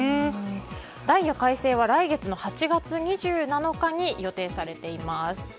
ダイヤ改正は来月の８月２７日に予定されています。